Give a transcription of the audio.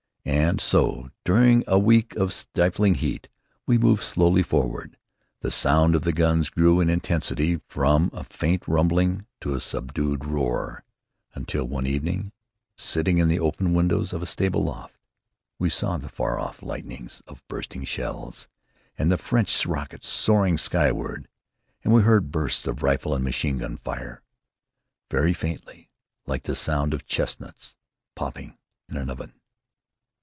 And so, during a week of stifling heat, we moved slowly forward. The sound of the guns grew in intensity, from a faint rumbling to a subdued roar, until one evening, sitting in the open windows of a stable loft, we saw the far off lightenings of bursting shells, and the trench rockets soaring skyward; and we heard bursts of rifle and machine gun fire, very faintly, like the sound of chestnuts popping in an oven.